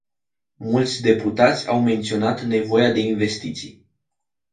Mulți deputați au menționat nevoia de investiții.